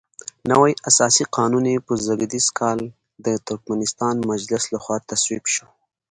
نوی اساسي قانون یې په زېږدیز کال د ترکمنستان مجلس لخوا تصویب شو.